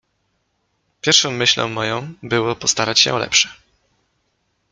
"Pierwszą myślą moją było postarać się o lepsze."